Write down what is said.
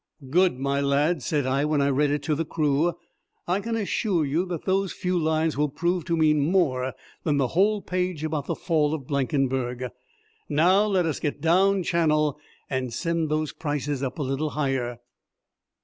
"Good, my lads!" said I, when I read it to the crew. "I can assure you that those few lines will prove to mean more than the whole page about the Fall of Blankenberg. Now let us get down Channel and send those prices up a little higher."